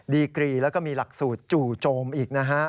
ดีกรีแล้วก็มีหลักสูตรจู่โจมอีกนะฮะ